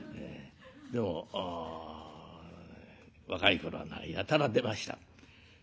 でも若い頃はやたら出ました。